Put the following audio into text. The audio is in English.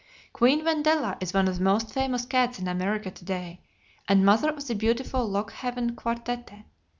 Queen Wendella is one of the most famous cats in America to day, and mother of the beautiful Lockehaven Quartette.